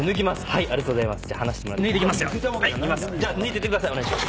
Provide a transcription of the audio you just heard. えっ⁉ありがとうございました！